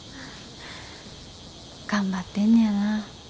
頑張ってんねやな。